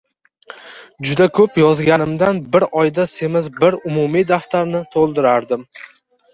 Juda koʻp yozganimdan bir oyda semiz bir umumiy daftarni toʻldirardim.